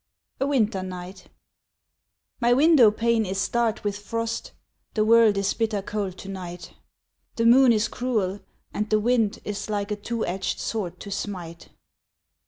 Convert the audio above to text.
A Winter Night My window pane is starred with frost, The world is bitter cold to night, The moon is cruel, and the wind Is like a two edged sword to smite.